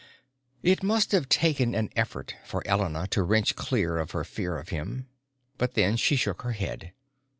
It must have taken an effort for Elena to wrench clear of her fear of him. But then she shook her head.